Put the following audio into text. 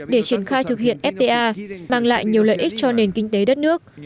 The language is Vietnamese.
để triển khai thực hiện fta mang lại nhiều lợi ích cho nền kinh tế đất nước